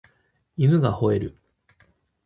犬が吠える